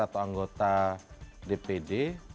atau anggota dpd